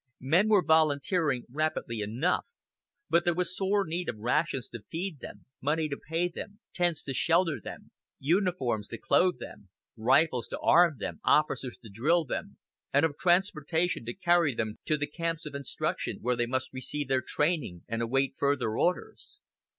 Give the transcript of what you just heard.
Men were volunteering rapidly enough, but there was sore need of rations to feed them, money to pay them, tents to shelter them, uniforms to clothe them, rifles to arm them, officers to drill them, and of transportation to carry them to the camps of instruction where they must receive their training and await further orders.